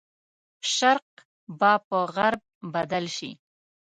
شرق به په غرب بدل شي.